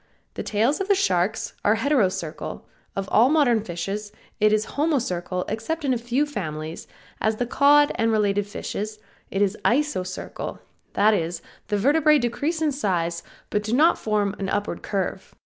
The tails of all sharks are heterocercal, of all modern fishes it is homocercal except in a few families, as the cod and related fishes, it is Isocercal; that is, the vertebrae decrease in size, but do not form an upward curve.